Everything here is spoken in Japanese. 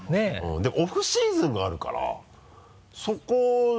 でオフシーズンがあるから。